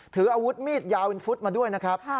ถืออาวุธมีดยาวเป็นฟุตมาด้วยนะครับ